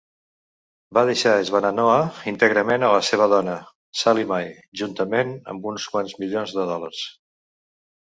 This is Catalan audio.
Va deixar Swannanoa íntegrament a la seva dona, Sally Mae, juntament amb uns quants milions de dòlars.